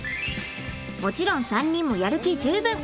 もちろん３人もやる気十分！